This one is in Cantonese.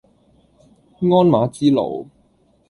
鞍馬之勞